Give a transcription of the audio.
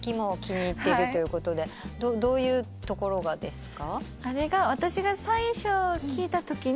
どういうところがですか？